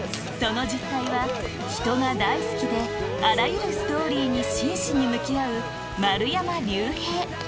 その実体は人が大好きであらゆるストーリーに真摯に向き合う丸山隆平